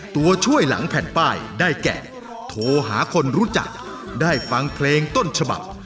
ตัวช่วยหลังแผ่นป้ายได้แก่โทรหาคนรู้จักได้ฟังเพลงต้นฉบับ